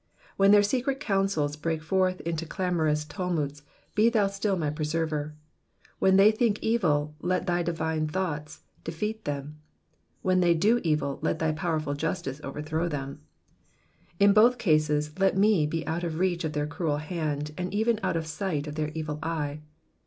'*^ When their secret counsels break forth into clamorous tumults, be thou still my preserver. When they think evil, let thy divine thoughts defeat them ; and when they do evil, let thy powerful justice overthrow them : in both cases, let me be out of reach of their cruel hand, and even out of sight of their evil eye.